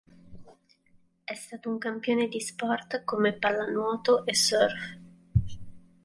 È stato un campione di sport come pallanuoto e surf.